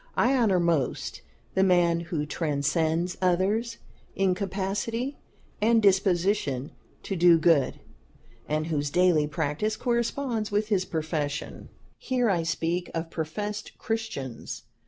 I honor most the man who transcends others in capacity and disposition to do good, and whose daily practice corresponds with his profession. Here I speak of professed Christians.